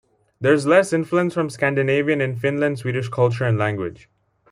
There is less influence from Scandinavian and Finland-Swedish culture and language.